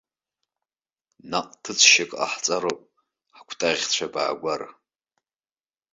Наҟ ҭыҵшьак ҟаҳҵароуп ҳакәтаӷьцәа-баагәара.